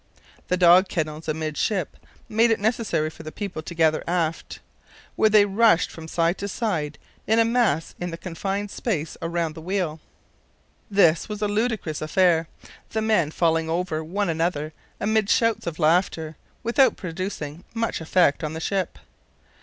The dog kennels amidships made it necessary for the people to gather aft, where they rushed from side to side in a mass in the confined space around the wheel. This was a ludicrous affair, the men falling over one another amid shouts of laughter without producing much effect on the ship.